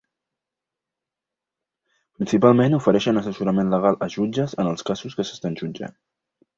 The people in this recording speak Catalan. Principalment ofereixen assessorament legal a jutges en els casos que s'estan jutjant.